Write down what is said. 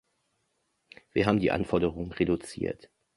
Wir haben die Anforderungen reduziert.